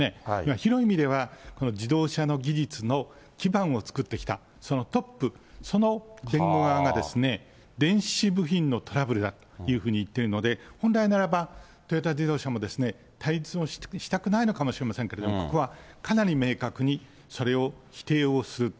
広い意味では、自動車の技術の基盤を作ってきた、そのトップ、その弁護側が、電子部品のトラブルだと言っているので、本来ならば、トヨタ自動車も対立をしたくないのかもしれませんけれども、ここはかなり明確にそれを否定をする。